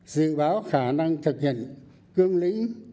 dự báo khả năng thực hiện cương lĩnh